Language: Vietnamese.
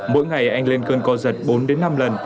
mỗi ngày anh lên cơn co giật bốn đến năm lần